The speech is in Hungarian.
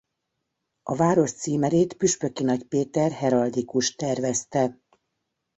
A város címerét Püspöki Nagy Péter heraldikus tervezte.